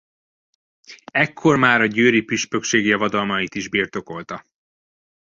Ekkor már a győri püspökség javadalmait is birtokolta.